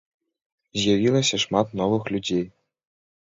З'явілася шмат новых людзей.